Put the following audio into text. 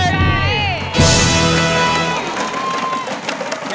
ไม่ใช่